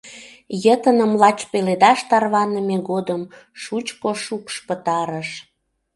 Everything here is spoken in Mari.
Йытыным лач пеледаш тарваныме годым шучко шукш пытарыш.